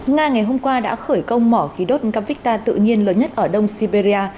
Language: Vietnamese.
nga ngày hôm qua đã khởi công mỏ khí đốt gavita tự nhiên lớn nhất ở đông siberia